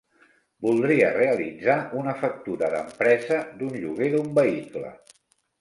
Voldria realitzar una factura d'empresa d'un lloguer d'un vehicle.